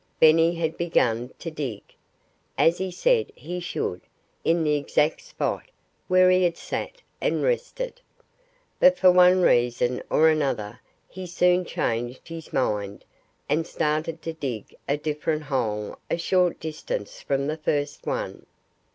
Benny had begun to dig as he said he should in the exact spot where he had sat and rested. But for one reason or another he soon changed his mind, and started to dig a different hole a short distance from the first one.